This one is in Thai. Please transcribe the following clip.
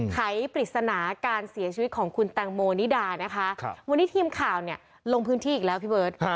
ไขปริศนาการเสียชีวิตของคุณแตงโมนิดานะคะวันนี้ทีมข่าวเนี่ยลงพื้นที่อีกแล้วพี่เบิร์ต